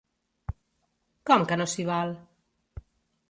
Com que no s'hi val?